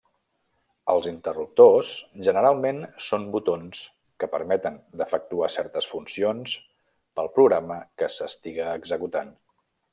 Els interruptors generalment són botons que permeten d'efectuar certes funcions pel programa que s'estiga executant.